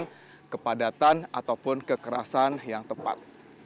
melakukan kepadatan ataupun kekerasan yang tepat